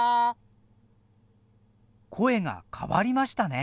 声が変わりましたね。